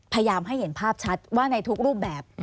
พยายามให้เห็นภาพชัดว่าในทุกรูปแบบ